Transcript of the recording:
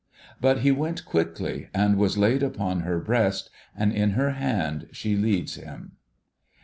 But he went quickly, and was laid upon her breast, and in her hand she leads him.